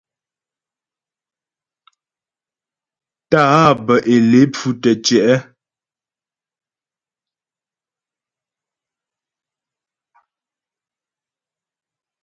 Tá'ǎ bə́ é lé pfʉ tə́ tyɛ̌'.